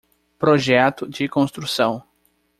Projeto de construção